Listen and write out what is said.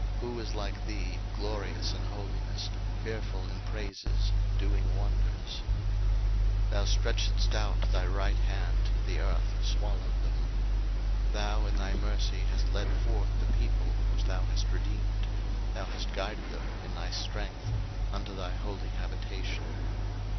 who is like thee, glorious in holiness, fearful in praises, doing wonders? 02:015:012 Thou stretchedst out thy right hand, the earth swallowed them. 02:015:013 Thou in thy mercy hast led forth the people which thou hast redeemed: thou hast guided them in thy strength unto thy holy habitation.